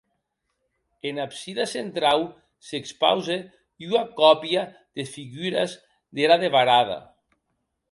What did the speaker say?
Ena absida centrau s'i expause ua còpia des figures dera devarada.